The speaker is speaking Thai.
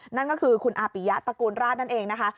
นั่นก็คือคุณอาปิยะตระกูลราชนั่นเองนะคะ